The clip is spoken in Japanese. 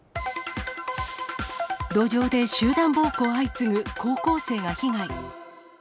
路上で集団暴行相次ぐ、高校生が被害。